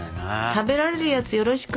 「食べられるやつよろしく！」